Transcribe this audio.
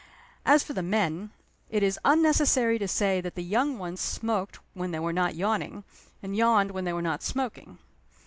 As for the men, it is unnecessary to say that the young ones smoked when they were not yawning, and yawned when they were not smoking.